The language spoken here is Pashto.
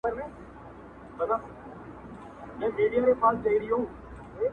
• جهاني مي د پښتون غزل اسمان دی,